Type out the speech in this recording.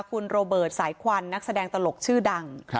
คุณโรเบิร์ตสายควันนักแสดงตลกชื่อดัง